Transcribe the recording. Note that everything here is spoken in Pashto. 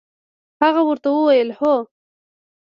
هغه ورته وویل: هو.